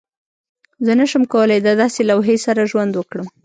زه نشم کولی د داسې لوحې سره ژوند وکړم